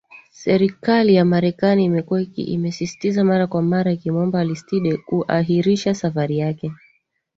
serikali ya marekani imekuwa iki imesisitiza mara kwa mara ikimwomba alistide kuahirisha safari yake